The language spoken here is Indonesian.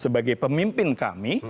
sebagai pemimpin kami